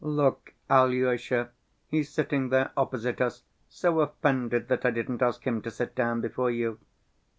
Look, Alyosha, he's sitting there opposite us, so offended that I didn't ask him to sit down before you.